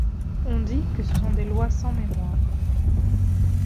On dit que ce sont des lois sans mémoire.